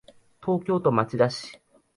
東京都町田市